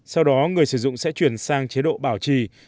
sau đó người sử dụng sẽ chuyển sang chế độ bảo trì